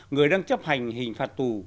người đang chấp hành hình phạt tù